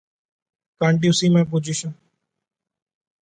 Can't you see my position?